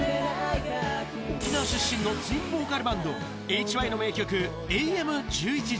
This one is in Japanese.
沖縄出身のツインボーカルバンド、ＨＹの名曲、ＡＭ１１：００。